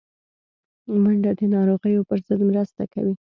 منډه د ناروغیو پر ضد مرسته کوي